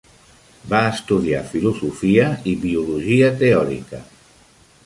Va estudiar filosofia i biologia teòrica.